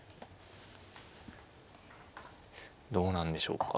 どうなんでしょうか。